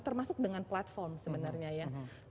termasuk dengan platform sebenarnya ya